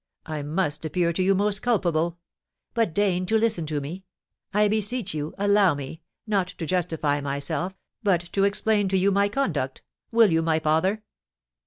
I must appear to you most culpable; but deign to listen to me! I beseech you, allow me, not to justify myself, but to explain to you my conduct! Will you, my father?"